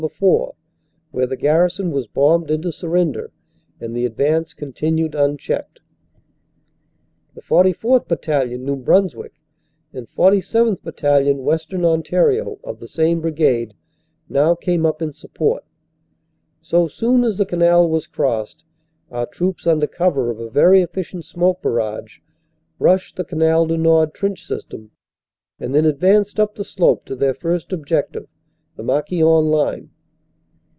4, where the garrison was bombed into surrender, and the advance con tinued unchecked. The 44th. Battalion, New Brunswick, and 47th. Battalion, Western Ontario, of the same brigade, now came up in sup port. So soon as the canal was crossed, our troops, under cover of a very efficient smoke barrage, rushed the Canal du Nord trench system and then advanced up the slope to their first objective, the Marquion line.